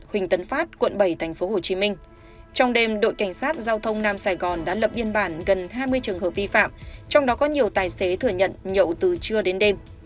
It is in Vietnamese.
huỳnh tấn phát quận bảy tp hcm trong đêm đội cảnh sát giao thông nam sài gòn đã lập biên bản gần hai mươi trường hợp vi phạm trong đó có nhiều tài xế thừa nhận nhậu từ trưa đến đêm